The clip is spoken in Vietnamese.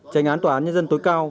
tranh án tòa nhân dân tối cao